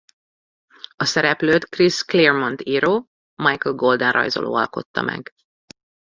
A szereplőt Chris Claremont író Michael Golden rajzoló alkotta meg.